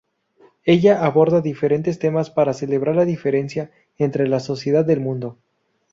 Ella aborda diferentes temas para celebrar la diferencia entre la sociedad del mundo.